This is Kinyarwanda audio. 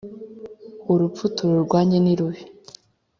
urupfu tururwanye nirubi.